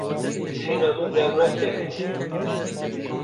Bêhna min dernakeve.